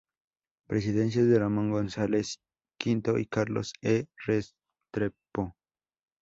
Presidencias de Ramón González V. y Carlos E. Restrepo.